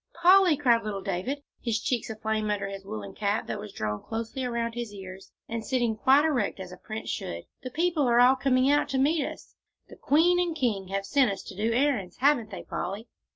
"Polly," cried little David, his cheeks aflame under his woollen cap that was drawn close around his ears, and sitting quite erect as a prince should, "the people are all coming out to meet us the queen and king have sent us to do the errands; haven't they, Polly?"